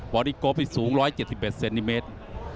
บอร์นี่กบที่สูง๑๗๑เซนติเมตร